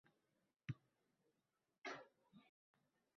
Ammo hayot tarzi juda oddiy